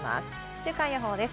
週間予報です。